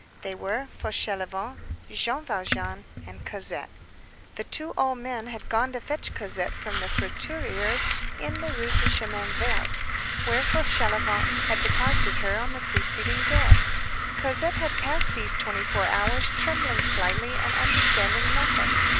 They were Fauchelevent, Jean Valjean, and Cosette. The two old men had gone to fetch Cosette from the fruiterer's in the Rue du Chemin Vert, where Fauchelevent had deposited her on the preceding day. Cosette had passed these twenty four hours trembling silently and understanding nothing.